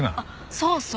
そうそう。